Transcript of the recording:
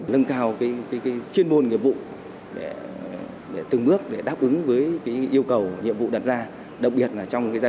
đảm bảo chuyên môn nghiệp vụ từng bước đáp ứng với yêu cầu nhiệm vụ đặt ra đặc biệt là trong giai